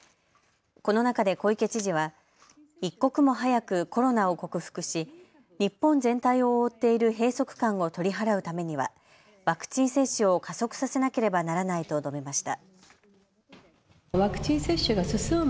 この中で小池知事は一刻も早くコロナを克服し日本全体を覆っている閉塞感を取り払うためにはワクチン接種を加速させなければならないと述べました。